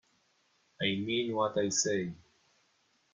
I mean what I say.